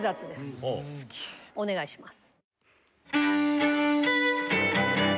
お願いします。